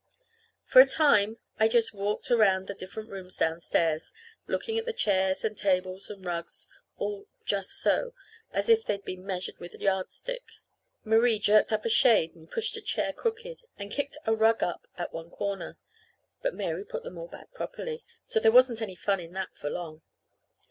For a time I just walked around the different rooms downstairs, looking at the chairs and tables and rugs all just so, as if they 'd been measured with a yardstick. Marie jerked up a shade and pushed a chair crooked and kicked a rug up at one corner; but Mary put them all back properly so there wasn't any fun in that for long.